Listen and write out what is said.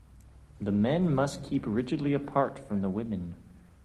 The men must keep rigidly apart from the women.